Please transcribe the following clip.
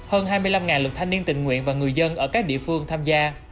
hơn hai mươi năm lực thanh niên tình nguyện và người dân ở các địa phương tham gia